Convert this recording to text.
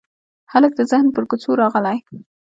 هلک د ذهن پر کوڅو راغلی